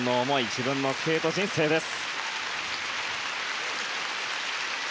自分のスケート人生です。